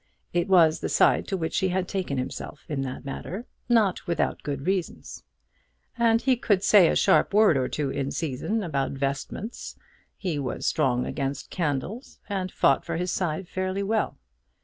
It was the side to which he had taken himself in that matter, not without good reasons. And he could say a sharp word or two in season about vestments; he was strong against candles, and fought for his side fairly well.